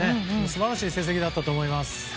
素晴らしい成績だったと思います。